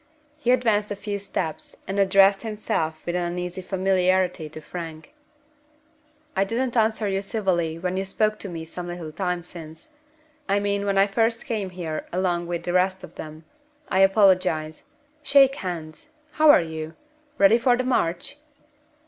He advanced a few steps, and addressed himself with an uneasy familiarity to Frank. "I didn't answer you civilly when you spoke to me some little time since. I mean when I first came in here along with the rest of them. I apologize. Shake hands! How are you? Ready for the march?"